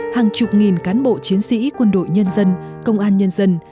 hàng chục nghìn cán bộ chiến sĩ quân đội nhân dân công an nhân dân